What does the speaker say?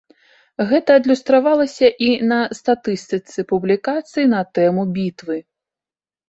Гэта адлюстравалася і на статыстыцы публікацый на тэму бітвы.